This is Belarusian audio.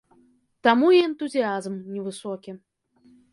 Таму і энтузіязм невысокі.